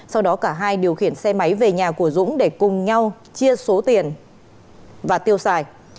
sau đó cả hai điều khiển xe máy về nhà của dũng để cùng nhau chia số tiền và tiêu xài